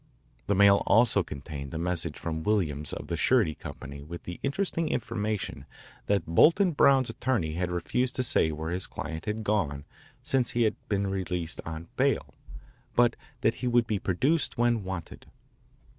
The mail also contained a message from Williams of the Surety Company with the interesting information that Bolton Brown's attorney had refused to say where his client had gone since he had been released on bail, but that he would be produced when wanted.